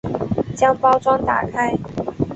将包装打开